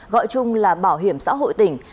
gọi chung là bảo hiểm xã hội tỉnh